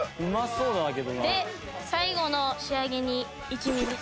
で最後の仕上げに一味です。